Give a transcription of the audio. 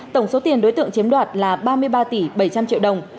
tổng số tiền đối tượng chiếm đoạt là ba mươi ba tỷ bảy trăm linh triệu đồng